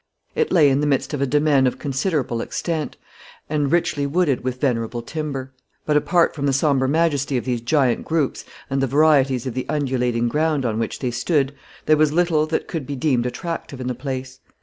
It lay in the midst of a demesne of considerable extent, and richly wooded with venerable timber; but, apart from the somber majesty of these giant groups, and the varieties of the undulating ground on which they stood, there was little that could be deemed attractive in the place.